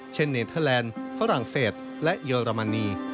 เนเทอร์แลนด์ฝรั่งเศสและเยอรมนี